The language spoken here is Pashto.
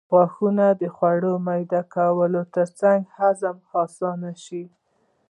غاښونه خواړه میده کوي ترڅو هضم یې اسانه شي